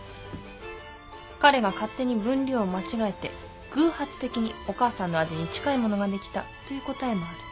彼が勝手に分量を間違えて偶発的にお母さんの味に近いものができたという答えもある。